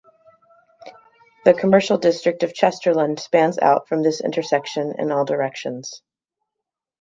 The commercial district of Chesterland spans out from this intersection in all directions.